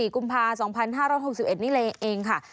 ๒๔กุมภา๒๕๖๑นี่แหละเองค่ะ